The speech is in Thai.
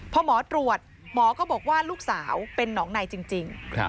พอหมอตรวจหมอก็บอกว่าลูกสาวเป็นหนองในจริง